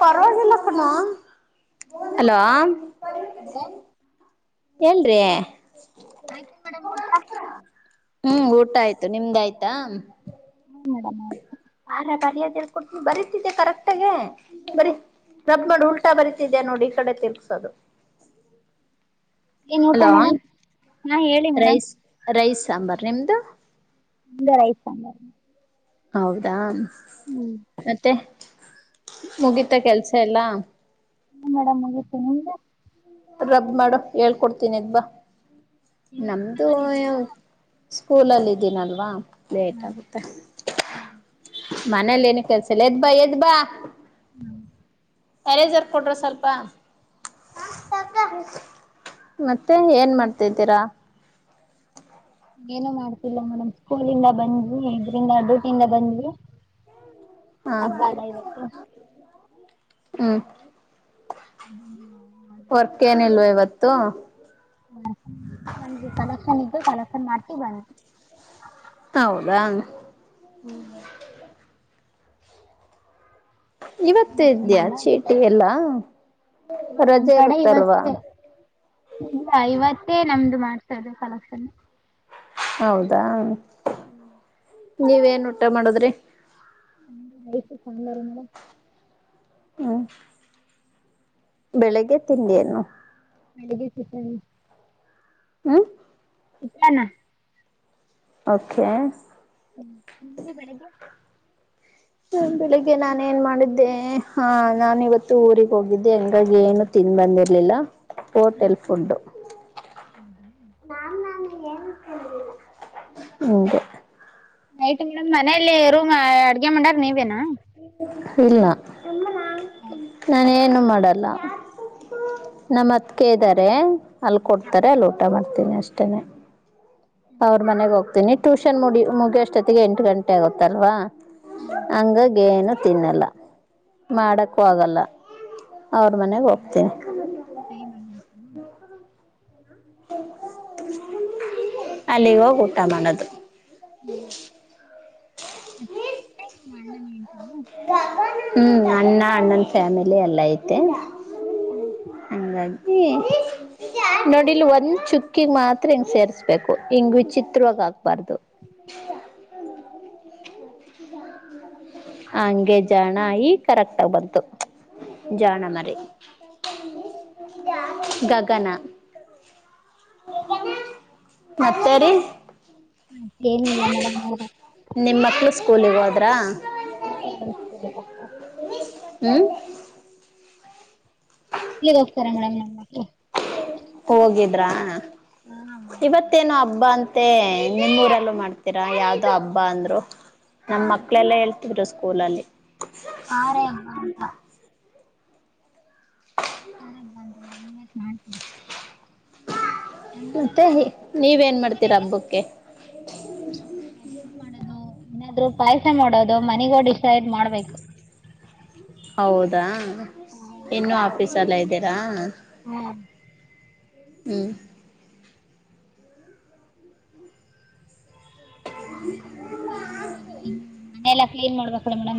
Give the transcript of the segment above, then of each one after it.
ಪರವಾಗಿಲ್ಲಕಣೊ hello. Hello ಏಳ್ರಿ [inaudible] ಹ್ಮ್ ಊಟ ಆಯ್ತು ನಿಮ್ದ ಆಯ್ತಾ. ಹ ಮೇಡಮ್. ಬಾರಾ ಬರ್ಯಾದ ಹಳ್ಕ ಕೂಡ್ತೀನಿ ಬರೀತಿದ್ದೆ ಕರೆಕ್ಟಾಗಿ ಬರಿ. ರಬ್ ಮಾಡಿ ಉಲ್ಟಾ ಬರಿೀತಿದ್ಯಾ ನೋಡಿ ಈ ಕಡೆ ತಿರ್ಗಸ್ಕೊಂಡು. ಏನ್ ಊಟ ಹಲೋ ಮೇಡಮ್ ಹಾ ಹೇಳಿ ಮೇಡಮ್. ರೈಸ್ ರೈಸ್ ಸಾಂಬಾರ್ ನಿಮ್ದು. [unintelligible] ರೈಸ್ ಸಾಂಬಾರ್. ಹೌದಾ ಹ್ಮ್ ಮತ್ತೆ ಮುಗಿತ ಕೆಲ್ಸ ಎಲ್ಲ. ಹು ಮೇಡಮ್ ಮುಗಿತು ನಿಮ್ದು. ರಬ್ ಮಾಡು ಹೇಳ್ಕೊಡ್ತೀನಿ ಎದ್ದ್ ಬಾ ನೀವು ನಮ್ದು. ಟ್ಯೂಷನ್ ಅಲ್ಲಿ ಇದ್ದೀರಾ ಸ್ಕೂಲಲ್ಲ ಇದಿನಲ್ವಾ ಲೇಟ್ ಆಗುತ್ತೆ. ಮನೇಲಿ ಏನು ಕೆಲ್ಸ ಇಲ್ಲ ಎದ್ ಬಾ ಎದ್ ಬಾ. [inaudible] ಎರೈಸರ್ ಕೊಡ್ರೋ ಸ್ವಲ್ಪ. [unintelligible] ಮತ್ತೆ ಏನ್ ಮಾಡ್ತಿದ್ದೀರಾ. ಏನು ಮಾಡ್ತಿಲ್ಲ ಮೇಡಮ್ ಸ್ಕೂಲಿಂದ ಬಂದ್ವಿ ಇದ್ರಂದ ಡ್ಯೂಟಿಯಿಂದ ಬಂದ್ವಿ. ಹಾ ಹಬ್ಬ ಅಲ್ಲ ಇವತ್ತು ಹ್ಮ್. ಅದನ್ನು ಮಾಡ್ಬೇಕು. ವರ್ಕ್ ಏನಿಲ್ವ ಇವತ್ತು. ಹ ಒಂದ ಕಲೆಕ್ಷನ್ ಇತ್ತು ಕಲೆಕ್ಷನ್ ಮಾಡಿ ಬಂದ್ವಿ. ಹೌದಾ. ಹ್ಮ ಇವತ್ತು ಕಲೆಕ್ಷನ್ ಇದ್ಯಾ ಎಲ್ಲ ಚೀಟಿ ಎಲ್ಲಾ ಹಾ ನಮ್ ರಜೆ ಕಡೆ ಇರುತ್ತಲ್ವಾ. ಇವತ್ತೇ ಇಲ್ಲ ಇವತ್ತೇ ನಮ್ದುಮಾಡ್ತಾ ಇರೊದು ಕಲೆಕ್ಷನ್. ಹೌದಾ ಹ್ಮ್ ನೀವ ಏನ್ ಊಟ ಮಾಡದ್ರಿ. [unintelligible] ಸಾಂಬಾರ್ ಮೇಡಂ. ಹ್ಮ್ ಬೆಳಿಗ್ಗೆ ತಿಂಡಿಏನು. ಬೆಳ್ಳಿಗ್ಗೆ [unintelligible] ಹ್ಮ್ [unintelligible] ಓಕೆ ಹ್ಮ ನಿಮ್ದು ಬೆಳ್ಳಿಗ್ಗೆ. ಹ ಬೆಳಿಗ್ಗೆ ನಾನ ಏನ್ ಮಾಡಿದ್ದೆ ಹ ನಾನ್ ಇವತ್ತ ಊರ್ ಹೋಗಿದ್ದೆ ಹಂಗಾಗಿ ಏನು. ತಿಂದ್ ಬಂದಿರಲಿಲ್ಲ. Hotel food. [unintelligible] ಹಿಂಗೆ. ನೈಟ್ ಮಾಮ್ ಮನೇಲಿ ರೂಮ್ ಅಡ್ಗೆ ಮಾಡೋರು ನೀವೇನಾ. ಇಲ್ಲ. [unintelligible] ನಾನು ಏನು ಮಾಡಲ್ಲ. ನಮ್ ಹತ್ಗೆ ಇದಾರೆ. ಅಲ್ಲಿ ಕೊಡ್ತಾರೆ ಅಲ್ಲಿ ಊಟ ಮಾಡ್ತೀನಿ ಅಷ್ಟೇನೆ ಅವ್ರ ಮನೆಗೆ ಹೋಗ್ತೀನಿ. ಟ್ಯೂಷನ್ ಮುಡಿ ಮುಗಿಯೋಷ್ಟೊತ್ತಿಗೆ ಎಂಟು ಗಂಟೆ ಆಗುತ್ತಲ್ವಾ ಹಂಗಾಗಿ. ಏನೂ ತಿನ್ನಲ್ಲ ಮಾಡೋಕ್ಕೂ ಆಗಲ್ಲ ಅವ್ರ ಮನೆಗೆ ಹೋಗ್ತೀನಿ. ಹ ಮ [unintelligible] ಅಲ್ಲಿಗೋಗ ಊಟ ಮಾಡೋದು. ಹ್ಮ ಮತ್ತ ಮಣ್ಣನ [unintelligible] ಹ [unintelligible] ಹೂ ಅಣ್ಣ ಅಣ್ಣನ ಫ್ಯಾಮಿಲಿ ಎಲ್ಲ ಐತೆ ಹಂಗಾಗಿ. ಹೂ [unintelligible] ನೋಡಿಲ್ಲಿ ಒಂದ್ ಚುಕ್ಕಿಗೆ ಮಾತ್ರ ಹಿಂಗ್ ಸೇರ್ಸ್ಬೇಕು ಹಿಂಗ್ ವಿಚಿತ್ರವಾಗಿ ಹಾಕಬಾರದು. ಹಂಗೆ ಜಾಣ ಈಗ್ ಕರೆಕ್ಟಾಗಿ ಬಂತು ಜಾಣ ಮರಿ. ಗಗನ. ಮತ್ತೇ ರಿ. ಏನಿಲ್ಲ ಮೇಡಮ್ ನೊರೆ. ನಿಮ್ಮ ಮಕ್ಳು ಸ್ಕೂಲಿಗೆ ಹೋದ್ರ. ಹಾಾಪ [unintelligible] ಹ್ಮ್. [unintelligible] ಇಲ್ ಸರಿ ಮೇಡಮ್ ಏನ್ ಮಾತು. ಹೋಗಿದ್ರ ಇವತ್ತೇನು. [unintelligible] ಹಬ್ಬಾ ಅಂತೇ ನಿಮ್ಮೂರಲ್ಲೂ ಮಾಡ್ತೀರಾ ಯಾವ್ದೋ ಹಬ್ಬ ಅಂದ್ರು ಹಾ ನಮ್ಮ ಮಕ್ಳೆಲ್ಲ ಹೇಳ್. ಇವರು ಸ್ಕೂಲಲ್ಲಿ. ಆ ರೇ ಏ ಏಮ್ ಅಂತ. ಹ [unintelligible] ನಾಕ. [unintelligible] ಮತ್ತೆ ನೀವೇನ್ ಮಾಡ್ತೀರಾ ನಿಮ್ಮೂರಲ್ಲಿ ಹಬ್ಬಕ್ಕೆ. ಏನ್ ಮಾಡದು ಏನಾದ್ರು ಪಾಯಸ ಮಾಡೋದು ಮನೆಗೊಗಿ ಡಿಸೈಡ್ ಮಾಡ್ಬೇಕು. ಹೌದಾ ಹಾ ಇನ್ನೂ ಆಫೀಸ್ ಅಲ್ಲೇ ಇದ್ದೀರಾ. ಹೂ. [unintelligible] ಹ್ಮ್. [unintelligible] ಮನೆಗೊಗ್ಬೇಕು ಏನ್ ಮಾಡದು ಇನ್ನು ಮನೆಲ್ಲಾ ಕ್ಲೀನ್ ಮಾಡ್ಬೇಕು. ಹೇಳಿ ಮೇಡಂ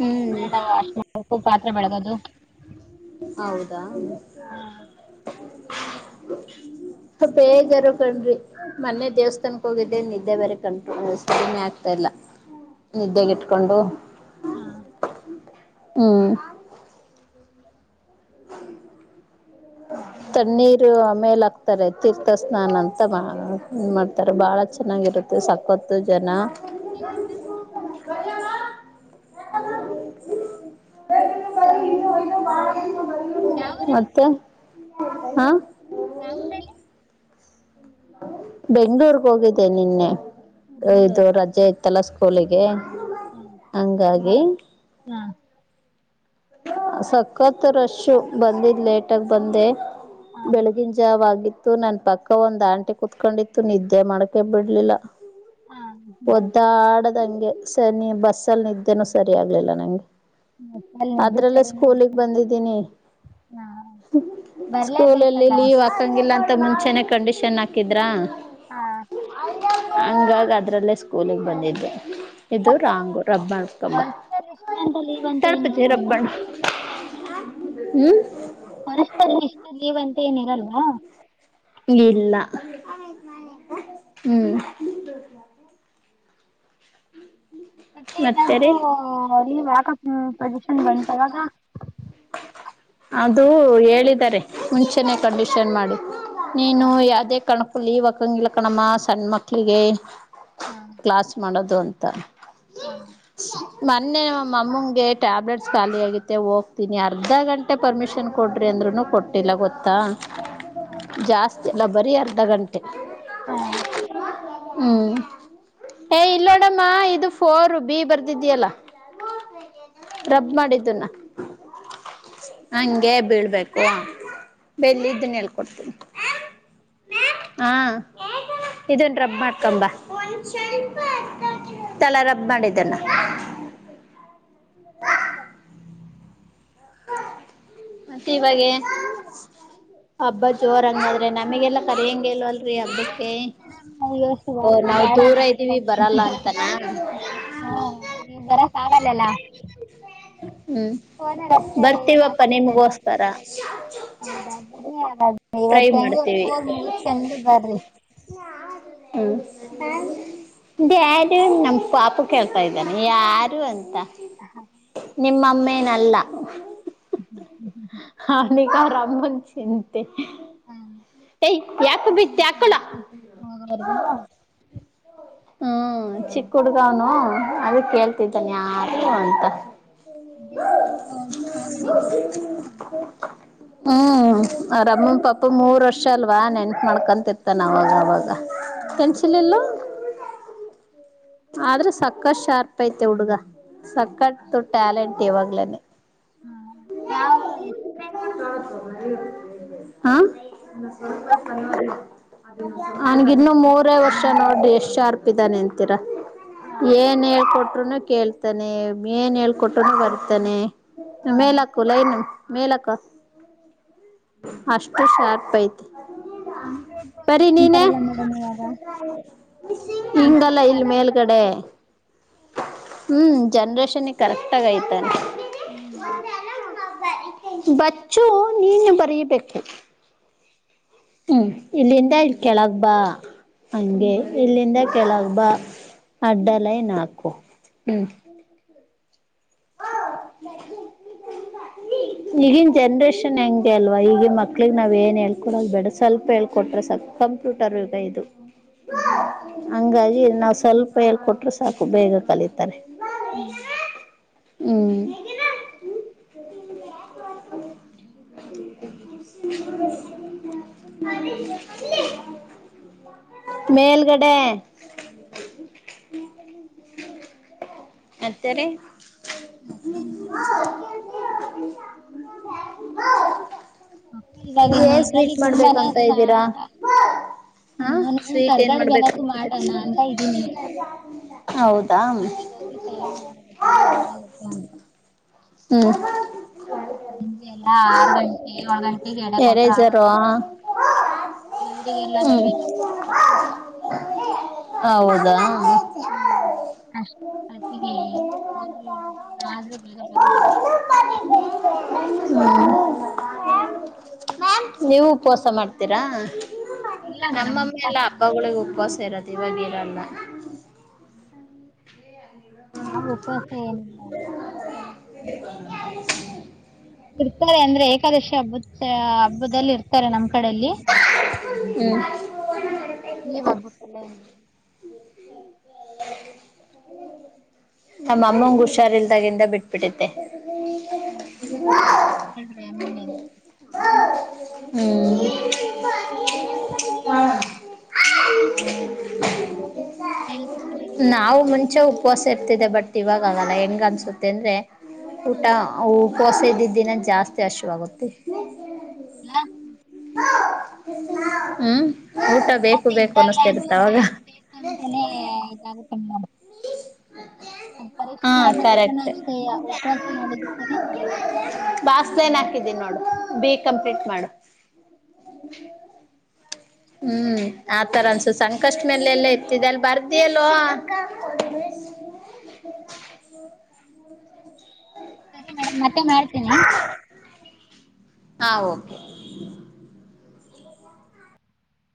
ಹ್ಮ್ ಬಟ್ಟೆ ವಾಶ್ ಮಾಡ್ಬೇಕು ಪಾತ್ರೆ ಬೆಳಗದು. ಹೌದಾ. ಹಾ. [inaudible] ಬೇಜಾರು ಕಣ್ರಿ. ಮೊನ್ನೆ ದೇವಸ್ಥಾನಕ್ಕೆ ಹೋಗಿದ್ದೆ ನಿದ್ದೆ ಬೇರೆ ಕಂಟ್ರೋಲ್ ಕಡಿಮೆ ಆಗ್ತಾ ಇಲ್ಲ. ನಿದ್ರೆಗೆಟ್ಕೊಂಡು ಹಾಂ ಹ್ಮ್. ತಣ್ಣೀರ್ ಆಮೇಲೆ. [unintelligible] [unintelligible] ತೀರ್ಥಸ್ನಾನ ಅಂತ ಮಾಡ್ತಾರೆ ಬಾಳ ಚೆನ್ನಾಗಿರುತ್ತೆ ಸಕತ್ತು ಜನ. ನೀ ಎಮಡ ಯಾವ ಊರಲ್ಲಿ ಮತ್ತೆ ಹಾ ಅವಳು ಎಲ್ಲಿ ಬೆಂಗ್ಳೂರ್ಗ್ ಹೋಗಿದ್ದೆ ನಿನ್ನೆ ಇದು ಬೆಂಗಳೂರು ರಜೆ ಇತ್ತಲ್ಲ ಸ್ಕೂಲಿಗೆ ಹಂಗಾಗಿ ಹಾ ಸಖತ್ ರಶು ಬಂದಿದ್ ಲೇಟಗ ಬಂದೆ ಹಾಂ ಬೆಳಗಿನ ಯಾವ್ಗತ್ತು ನನ್ ಪಕ್ಕ ಒಂದ್ ಆಂಟಿ ಕುೂತ್ಕೊಂಡಿತ್ತು ನಿದ್ದೆ ಮಾಡಕೆ ಬಿಡ್ಲಿಲ್ಲ ಹಾಂ ಒದ್ದ ಆಡದಂಗೆ ಸ ನೀ ಬಸ್ಸಲ್ಲಿ ನಿದ್ದೇನು ಸರಿ ಆಗ್ಲಿಲ್ಲ ನಂಗೆ ಅಲ್ಲಿ ನಿದ್ದೆ ಅದ್ರಲ್ಲೆ ಸರಿನ ಸ್ಕೂಲಗ್ ಬಂದಿದ್ದೀನಿ ಹಾಂ ಸ್ಕೂಲಲ್ಲಿ ಬರಲೇಬೇಕಲ್ಲ ಲೀವ್ ಹಾಕಂಗಿಲ್ಲ ಅಂತ ಮುಂಚೆನೆ ಕಂಡೀಷನ್ ಹಾಕಿದ್ರಾ ಹಾಂ ಹಂಗಾಗಿ ಅದರಲ್ಲೇ ಸ್ಕೂಲಿಗೆ ಬಂದಿದ್ದೆ ಇದು ಮತ್ತೆ ನೀವು ರಾಂಗು ರಬ್ಬ ಮಾಡಿಕೊಂಡುಬಾ ವರ್ಷದಲ್ಲಿ ಇಷ್ಟ ಅಂತ ಲೀವ್ ಅಂತ ಏನು ತಡಪಜ ಇರಲ್ಲ ಮೇಡಮ್ ರಬ್ಬಣ ಹ್ಮ ಪರಸ್ಪರ್ ಇಷ್ಟ ಲೀವ್ ಅಂತ ಏನಿರಲ್ವಾ ಇಲ್ಲ ಹ್ಮ್ ಮತ್ತೆ ಏನಾದೃ ಅಲ್ಲಿ ವ್ಯಾಪ ಪ್ರದಷನ್ ಬಂತವಾಗ ಅದು ಹೇಳಿದ್ದಾರೆ ಮುಂಚೆನೆ ಕಂಡೀಷನ್ ಮಾಡಿ ಹಾ ನೀನು ಯಾವ್ದೇ ಕಾರಣಕ್ಕೂ ಹಾಕಂಗಿಲ್ಲ ಕಣಮ್ಮ ಸಣ್ಣ ಮಕ್ಳಿಗೆ ಹಾ ಕ್ಲಾಸ್ ಮಾಡೋದು ಅಂತ ಹಾ ಮೊನ್ನೆ ನಮ್ಮಂಗೆ ಟ್ಯಾಬ್ಲೆಟ್ಸ್ ಖಾಲಿ ಆಗತೆ ಹೋಗ್ತೀನಿ ಅರ್ಧ ಗಂಟೆ ಪರ್ಮಿಷನ್ ಕೊಡಿರಿ ಅಂದ್ರೂ ಕೊಟ್ಟಿಲ್ಲ ಗೊತ್ತಾ. ಜಾಸ್ತಿ ಅಲ್ಲ ಬರೀ ಅರ್ಧ ಗಂಟೆ ಹಾ ಹ್ಮ್ ಏ ಇಲ್ಲೋಡಮ್ಮ ಇದು ಫೋರ್ ಬಿ ಬರ್ದಿದಿಯಲ್ಲ ರಬ್ ಮಾಡಿದ್ದುನ್ನ ಹಂಗೆ ಬೀಳ್ಬೇಕು ಬೆಲ್ಲಿದ್ದನೇಳ್ಕೊಡ್ತೀನಿ ಹಾ ಇದೊಂದು ರಬ್ ಮಾಡ್ಕೊಂಬ ತಳ ರಬ್ ಮಾಡಿದ್ದಾನ ಹ ಮತ್ತೆ ಇವಾಗೆ ಹಬ್ಬ ಜೋರ ಹಂಗಾದ್ರೆ ನಮಗೆಲ್ಲ ಕರೆಯಂಗ್ ಈಲ್ಲ ಅ ಹಬ್ಬಕ್ಕೆ ಬನ್ನಿ ಮೇಡಮ್ ಅಯ್ಯೋ ಶಿವ ಓ ನಾವು ಬೇಡ ದೂರ ಇದ್ದೀವಿ ಬರಲ್ಲ ಅಂತಾನ? ಹಾ ನೀನ್ ಬರ ಕಾಗಲ್ಲಲ್ಲಾ ಹ್ಮ್ ಓನಾರ ಅಷ್ಟೇ ಬರ್ತೀವಪ್ಪ ಮಾತಾಡಿರದು ನಿಮ್ಗೋಸ್ಕರ ಹೌದಾ ಬರಿ ಟ್ರೈ ಇವತ್ತ ಹೆಂಗೋ ಮುಗಿಸಿಕೊಂಡು ಬರ್ರಿ ಯಾರ ಯಾರು ನಮ್ಮ ಪಾಪ ಕೇಳ್ತಾ ಇದ್ದಾನೆ ಯಾರು ಅಂತ? ನಿಮ್ಮಮ್ಮೇನಲ್ಲ! ಹ್ಞ ಹ್ ಹ್ ಹ್ ಹ್ ಅವ್ನಿಗೆ ಅವ್ರಮ್ಮನ್ಯೂ ಚಿಂತೆ ಹ್ಮ ಏಯ ಯಾಕ ಬಿತ್ತ ಯಾಕಲ ಹೋಗೋವರ್ಗುನು ಹ್ಮ್ ಚಿಕ್ಕ ಹುಡ್ಗವ್ನು ಅದ ಕೇಳ್ತಿದ್ದಾನೆ ಯಾರ ಯಾರು ಅಂತ? ಅದೇ ಹೋಗೋ [unintelligible] ಮನೇಗ್ ಹೋಗೋ. [unintelligible] ಹು ಹ್ಮ್ ಅವ್ರ್ ಅಮ್ಮ ಪಾಪ ಮೂರು ವರ್ಷ ಅಲ್ವಾ ನೆನ್ತ್ ಮಾಡ್ಕೊಂತಿರ್ತ್ತಾನವಾಗ ಅವಾಗ. ಹಾ ಹ್ಮ್ ಕಂಚಿಲೆಲ್ಲ. ಆದ್ರೆ ಸಕ್ಕಷ್ ಶಾರ್ಪ್ ಐತೆ ಹುಡ್ಗ ಸಕ್ಕಷ್ಟು ಟ್ಯಾಲೆಂಟ್ ಇವಾಗ್ಲನೆೇ. ಹ್ಮ್ ನಾವು ಎಷ್ಟೇನ್ ಮಾಡೇಡಮ. ಹಾ ಹೆಸ್ರು ಅವ್ನ್ಗಿನ್ನು ಮೂರೇ ವರ್ಷ ನೋಡ್ರಿ ಎಷ್ಟಶಾರ್ಪಿದಾನೆ ಅಂತೀರಾ. ಹಾ ಏನ್ ಹೇಳ್ಕೊಟ್ರುನು ಕೇಳ್ತಾನೆ ಏನ್ ಹೇಳ್ಕೊಟ್ರುೂನು ಬರ್ತಾನೆ. ಹಾ ಮೇಲಕ್ಕು ಲೈನ್ ಮೇಲಕ್ಕ ಅಷ್ಟು ಶಾರ್ಪ್ ಐತ್. [inaudible] ಬರಿ ಇದೆ ನೀನೆ ಅಂತಾರಲ್ಲ ಮೇಡಮ್ ಇವಾಗ ಹಿಂಗಲ್ಲ ಕಂಪ್ಯೂಟರ್ ಇಲ್ ಕಾಲ ಲ್ ಅಂತ ಮೇಲ್ಗಡೆ ಮಕ್ಳಿಗೆ ಹ್ಮ್ ಜನ್ರೇಷನ್ಗೆ ಕರೆಕ್ಟ್ ಆಗ ಐತೆ. ಹ್ಮ್ ಬಚ್ಚು ನೀನು ಬರೀಬೇಕು. ಹ್ಮ್ ಇಲ್ಲಿಂದ ಕೆಳಗ್ ಬಾ ಹಂಗೆ ಇಲ್ಲಿಂದ ಕೆಳಗ್ ಬಾ. ಅಡ್ಡ ಲೈನಾಕು ಹ್ಮ್. [unintelligible] [inaudible] ಈಗಿನ ಜನ್ರೇಷನ್ ಹೆಂಗೆ ಅಲ್ವಾ ಈಗಿನ ಮಕ್ಳಿಗೆ ನಾವು ಏನು ಹೇಳ್ಕೊಡೋದು ಬೇಡ ಸ್ವಲ್ಪ ಹೇಳ್ಕೊಟ್ರೆ ಸಾಕ್ ಕಂಪ್ಯೂಟರ್ ಯುಗ ಇದು ಅದೇ ಹಂಗಾಗಿ ನಾವು ಸ್ವಲ್ಪ್ ಫೆಲ್ ಕೊಟ್ರೇ ಸಾಕು ಬೇಗ ಕಲೀತಾರೆ. ಹ್ಮ್ ಹ್ಮ [unintelligible] ಮೇಲ್ಗಡೆ. ಅತ್ತರೆ. ಮತ್ತೆ [unintelligible] ಮೋ. ಹಿಂಗಾಗಿ ಇದ್ರಲ್ಲಿ ತುಂಬಾನೇ ಮಾಡ್ಬೇಕಂತ ಇಷ್ಟ ಇದ್ದೀರಾ ಅಷ್ಟ. ಹ ನಾನು ಸ್ವೀಟ್ ಏನ್ ಕರ್ಗಡೆ ಬೇನಾದ್ರು ಮಾಡ್ಬೇಕಂತಿದೆ ಮಾಡಣ ಅಂತ ಇದ್ದೀನಿ. ಹೌದಾ ಮನೆಗ್ ಹೋಗಿ ಟೈಮ್ ನೋಡೋದು ಟೈಮ್ ಹೆಂಗ ಆಗುತ್ ಹ್ಮ್ [unintelligible] ಸಂಜೆ ಎಲ್ಲ ಆರು ಗಂಟಿ ಏಳ ಗಂಟಿ. ಎಡೆ ಕೊಟ್ರ ಎರೇಜರು ಆಗ ದೇವರಿಗೆಲ್ಲ ಹ್ಮ್ ನೈವಿದ್ಯೇ ಕೊಡ್ಬೇಕಲ್ಲ. ಹೌದಾ ಹ್ಮ್ ಅಷ್ಟ ಅತ್ತಿಗೆ ಹೋಗಿ ಆದ್ರೆ ಬೇಗ ಬೇಗ ಮಾಡ್ [unintelligible] ಹಾ [unintelligible] ನೀವು ಉಪವಾಸ ಮಾಡ್ತೀರಾ. ಇಲ್ಲ ಮೇಡಮ್ ನಮ್ಮಮ್ಮೆ ಎಲ್ಲ ಉಪವಾಸ ಹಬ್ಬಗಳಿಗೆ ಉಪವಾಸ ಇರದು ಇವಾಗಿರಲ್ಲ. ನಾವು ಉಪವಾಸ ಏನಿಲ್ಲ ಇರಲ್ಲ [inaudible] ಇರ್ತಾರೆ ಅಂದ್ರೆ ಏಕಾದಶಿ ಹಬ್ಬದ ಹಬ್ಬದಲ್ಲಿ ಇರ್ತಾರೆ ನಮ್ ಕಡೆಯಲ್ಲಿ. ಹ್ಮ್ ಈ ಬರ್ಬಿಟ್ಟಲ್ಲೆ. ನಮ್ಮ ಅಮ್ಮಂಗ ಹುಷಾರ್ಲ್ದಾಗಿಂದ ಬಿಟ್ಬಿಟ್ಟತ್ತೆ. ಹ್ಮ್ ಅಷ್ಟ [unintelligible] ತಗಳ್ರಿ ಆಮೇಲೆ. ಹ್ಮ [unintelligible] ಹ್ [inaudible] ನಾವು ಆಮೇಲೆ ಮುಂಚೆ ಉಪವಾಸ ಇರ್ತಿದೆ ಬಟ್ ಇವಾಗ ಆಗಲ್ಲ ಹೆಂಗ ಅನ್ಸುತ್ತೆ ಅಂದ್ರೆ ಊಟ ಹ್ಮ್ ಉಪವಾಸ ಇದ್ದಿದ್ದಿನ ಜಾಸ್ತಿ ಹಶುವಾಗುತ್ತೆ ನ್ ಹ್ಮ್ ಊಟ ಬೇಕು ಬೇಕು ಅನ್ನಿಸತ ಇರ್ತ್ತ ಅವಾಗ ಹಂಗ ಹಂತಾನೇ ಇದಾಗುತ್ತೆನ ನೋಡ ಪರೀಕ್ಷೆ ಹಾ ಮಾಡ್ ನೋಡುದ್ರನು ಕರೆಕ್ಟ್ ಅಷ್ಟೇ ಉಪವಾಸ ಮಾಡಿದ್ ದಿವಸನೆ ಊಟ ಬಾಸ್ಲೈನ್ ಮಾಡಬೇಕು [inaudible] ಹಾಕಿದ್ದೀನಿ ನೋಡು ಬೇಗ ಕಂಪ್ಲೀಟ್ ಮಾಡು ಹ್ಮ್ ಆತರ ಅನ್ಸುತ್ತ ಸಂಕಷ್ಟ ಮೇಲೆ ಎಲ್ಲಾ ಇರತಿದೆ ಅಲ್ಲ ಬರ್ದಿ ಅಲೋ ಹ್ಮ ಸರಿ ಮೇಡಮ್ ಮತ್ತೆ ಮಾಡ್ತೀನಿ ಹಾ ಓಕೆ